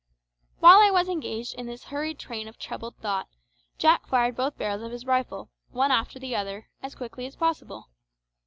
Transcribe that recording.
While I was engaged in this hurried train of troubled thought, Jack fired both barrels of his rifle, one after the other, as quickly as possible.